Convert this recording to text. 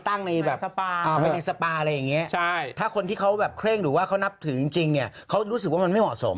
ในแบบไปในสปาอะไรอย่างนี้ถ้าคนที่เขาแบบเคร่งหรือว่าเขานับถือจริงเนี่ยเขารู้สึกว่ามันไม่เหมาะสม